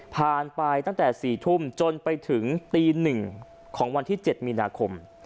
ไปตั้งแต่๔ทุ่มจนไปถึงตี๑ของวันที่๗มีนาคม